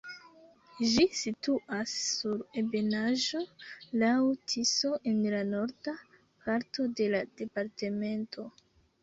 Ĝi situas sur ebenaĵo laŭ Tiso en la norda parto de la departemento.